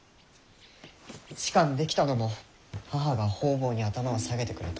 仕官できたのも母が方々に頭を下げてくれたおかげ。